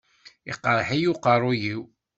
Iqreḥ-iyi uqerruy-iw.